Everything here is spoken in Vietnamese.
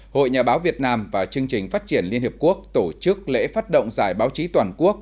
hội nhà báo việt nam và chương trình phát triển liên hiệp quốc tổ chức lễ phát động giải báo chí toàn quốc